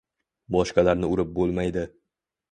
Boshqalarni urib bo‘lmaydi